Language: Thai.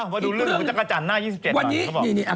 มาดูเรื่องหุ้มทรักกะจาห์หน้า๒๗